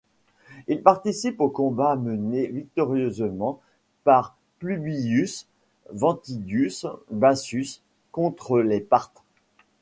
Il participe aux combats menés victorieusement par Publius Ventidius Bassus contre les Parthes.